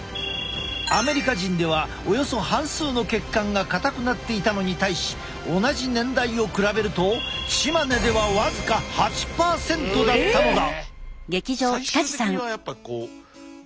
アメリカ人ではおよそ半数の血管が硬くなっていたのに対し同じ年代を比べるとチマネでは僅か８％だったのだ。